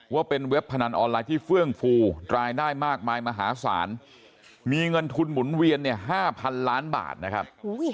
ว่าเป็นเว็บพนันออนไลน์ที่เฟื่องฟูรายได้มากมายมหาศาลมีเงินทุนหมุนเวียนเนี่ย๕๐๐๐ล้านบาทนะครับ